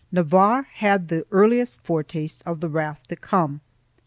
2 Navarre had the earliest foretaste of the wrath to come.